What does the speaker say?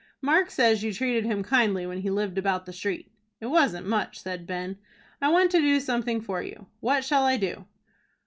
"Mark says you treated him kindly when he lived about the street." "It wasn't much," said Ben. "I want to do something for you. What shall I do?"